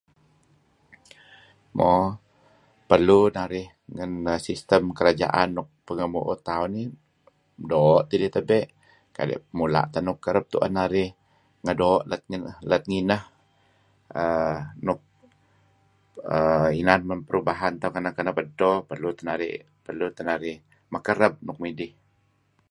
Mo... perlu narih ngen ehh... sistem kerajaan nuk pengeh mu'uh tauh inih. Doo' tidih tebey' kadi' mula' teh nuk kereb tu'en ngedoo' let ngineh. Err... nuk... err... inan men perubahan tauh kenep-kenep edto. Perlu teh narih... perlu teh narih err... mekereb nuk midih.